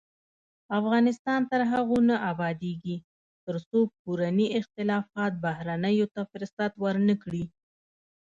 افغانستان تر هغو نه ابادیږي، ترڅو کورني اختلافات بهرنیو ته فرصت ورنکړي.